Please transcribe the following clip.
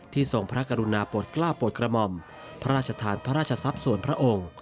ทรงพระกรุณาโปรดกล้าโปรดกระหม่อมพระราชทานพระราชทรัพย์ส่วนพระองค์